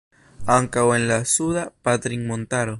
Ankaŭ en la Suda Patrinmontaro.